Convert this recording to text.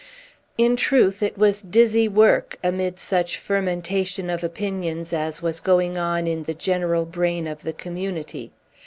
In truth, it was dizzy work, amid such fermentation of opinions as was going on in the general brain of the Community.